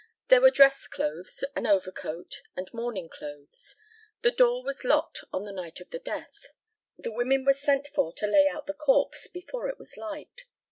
There were dress clothes, an overcoat, and morning clothes. The door was locked on the night of the death. The women were sent for to lay out the corpse before it was light.